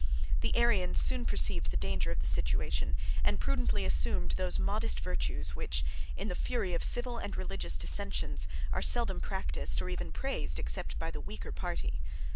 The Arians soon perceived the danger of their situation, and prudently assumed those modest virtues, which, in the fury of civil and religious dissensions, are seldom practised, or even praised, except by the weaker party.